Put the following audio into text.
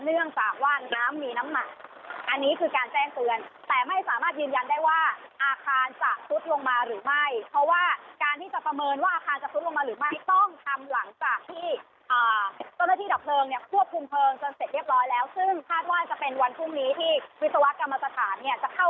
เนื่องจากว่าน้ำมีน้ำหนักอันนี้คือการแจ้งเตือนแต่ไม่สามารถยืนยันได้ว่าอาคารจะซุดลงมาหรือไม่เพราะว่าการที่จะประเมินว่าอาคารจะซุดลงมาหรือไม่ต้องทำหลังจากที่เจ้าหน้าที่ดับเพลิงเนี่ยควบคุมเพลิงจนเสร็จเรียบร้อยแล้วซึ่งคาดว่าจะเป็นวันพรุ่งนี้ที่วิศวกรรมสถานเนี่ยจะเข้า